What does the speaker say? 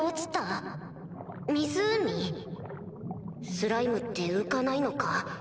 スライムって浮かないのか？